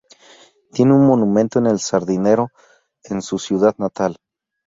Tiene un monumento en El Sardinero, en su ciudad natal.